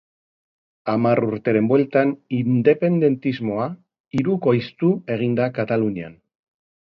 Hamar urteren bueltan, independentismoa hirukoiztu egin da Katalunian.